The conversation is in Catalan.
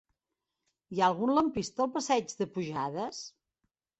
Hi ha algun lampista al passeig de Pujades?